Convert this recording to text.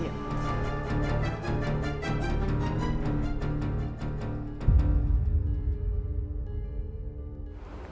iya itu apa